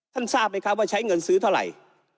ทราบไหมครับว่าใช้เงินซื้อเท่าไหร่